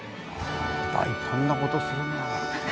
大胆な事するねあれ。